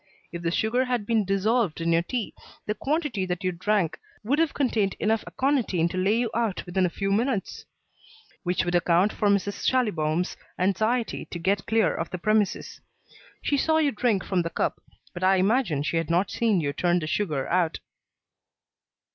If the sugar had been dissolved in your tea, the quantity that you drank would have contained enough aconitine to lay you out within a few minutes; which would account for Mrs. Schallibaum's anxiety to get clear of the premises. She saw you drink from the cup, but I imagine she had not seen you turn the sugar out."